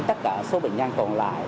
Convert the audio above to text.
tất cả số bệnh nhân còn lại